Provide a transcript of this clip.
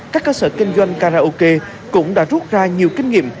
các cơ sở kinh doanh karaoke cũng đã rút ra nhiều kinh nghiệm